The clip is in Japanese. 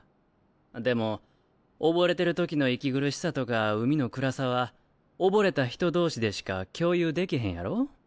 でも溺れてるときの息苦しさとか海の暗さは溺れた人同士でしか共有でけへんやろ。